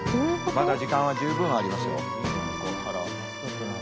まだ時間は十分ありますよ。